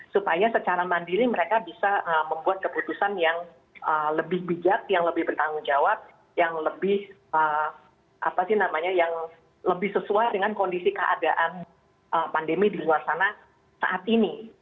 supaya secara mandiri mereka bisa membuat keputusan yang lebih bijak yang lebih bertanggung jawab yang lebih sesuai dengan kondisi keadaan pandemi di luar sana saat ini